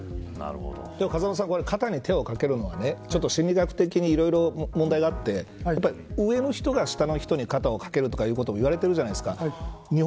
でも風間さん肩に手をかけるのは心理学的にいろいろ問題があって上の人が下の人に肩をかけるとか言われているじゃないですか。